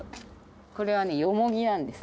これはねヨモギなんです。